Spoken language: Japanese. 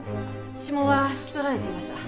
指紋は拭き取られていました。